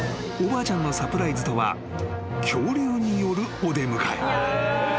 おばあちゃんのサプライズとは恐竜によるお出迎え］